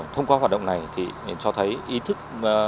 thông qua hoạt động này thì cho thấy ý thức